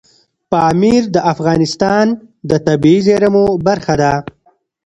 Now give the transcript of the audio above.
پامیر د افغانستان د طبیعي زیرمو برخه ده.